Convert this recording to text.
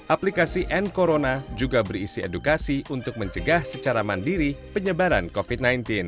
aplikasi n corona juga berisi edukasi untuk mencegah secara mandiri penyebaran covid sembilan belas